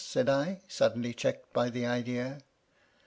said I, suddenly checked by the idea.